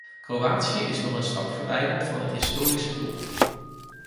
Kroatië is nog een stap verwijderd van het historische doel.